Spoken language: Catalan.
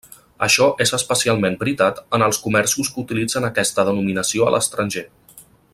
Això és especialment veritat en els comerços que utilitzen aquesta denominació a l'estranger.